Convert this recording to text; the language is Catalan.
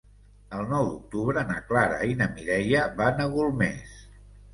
El nou d'octubre na Clara i na Mireia van a Golmés.